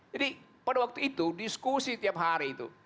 jadi pada waktu itu diskusi tiap hari itu